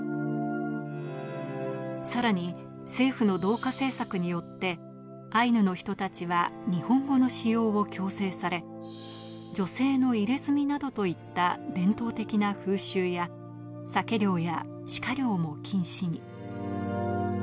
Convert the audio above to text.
さらに政府の同化政策によってアイヌの人たちは日本語の使用を強制され、女性の入れ墨などといった伝統的な風習やサケ漁やシカ猟も禁止に。